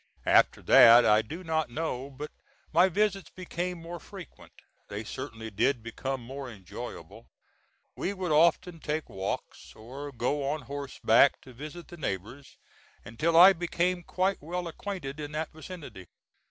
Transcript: After that I do not know but my visits became more frequent; they certainly did become more enjoyable. We would often take walks, or go on horseback to visit the neighbors, until I became quite well acquainted in that vicinity.